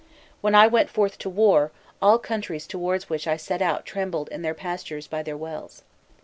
When I went forth to war, all countries towards which I set out trembled in their pastures by their wells.